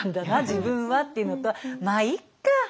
自分はっていうのとまあいっか！